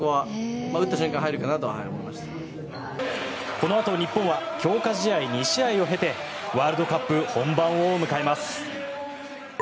このあと日本は強化試合２試合を経てワールドカップ本番を迎えます。